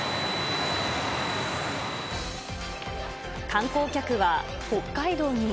観光客は北海道にも。